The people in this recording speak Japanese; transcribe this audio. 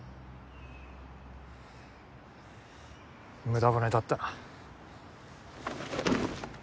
無駄骨だったな。